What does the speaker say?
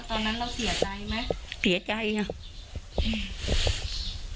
ตอนนั้นเราเสียใจไหม